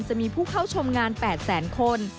จะมีผู้เข้าชมงาน๘แสนคน